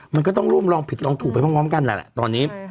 มันก็ต้องร่วมลองผิดลองถูกไปพร้อมกันนั่นแหละตอนนี้